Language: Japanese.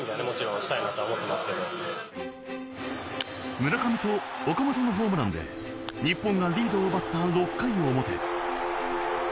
村上と岡本のホームランで日本がリードを奪った６回表。